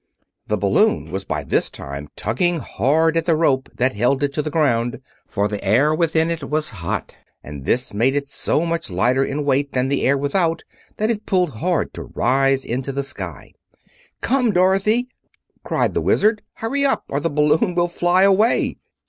The balloon was by this time tugging hard at the rope that held it to the ground, for the air within it was hot, and this made it so much lighter in weight than the air without that it pulled hard to rise into the sky. "Come, Dorothy!" cried the Wizard. "Hurry up, or the balloon will fly away."